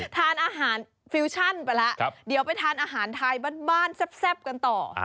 ทานอาหารฟิวชั่นไปแล้วเดี๋ยวไปทานอาหารไทยบ้านแซ่บกันต่อ